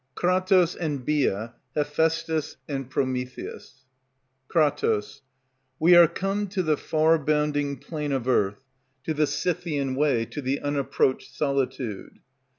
KRATOS and BIA, HEPHAISTUS, PROMETHEUS. Kr. We are come to the far bounding plain of earth, To the Scythian way, to the unapproached solitude.